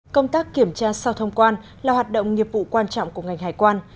công tác kiểm tra sau thông quan là hoạt động nghiệp vụ quan trọng của ngành hải quan